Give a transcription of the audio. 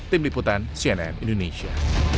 tim liputan cnn indonesia